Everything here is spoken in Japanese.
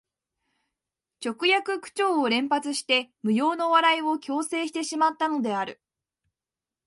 直訳口調を連発して無用の笑いを強制してしまったのである